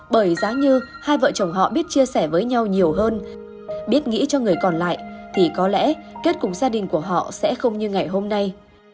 bởi giá như hai vợ chồng họ biết chia sẻ với nhau nhiều hơn biết nghĩ cho người còn lại thì có lẽ kết cùng gia đình của họ sẽ không như ngày hôm nay